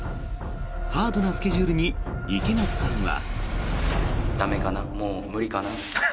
ハードなスケジュールに池松さんは。